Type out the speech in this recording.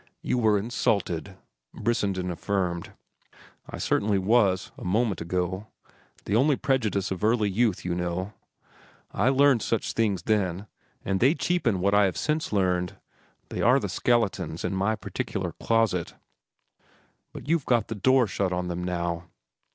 "You were insulted," Brissenden affirmed. "I certainly was, a moment ago. The prejudice of early youth, you know. I learned such things then, and they cheapen what I have since learned. They are the skeletons in my particular closet." "But you've got the door shut on them now?"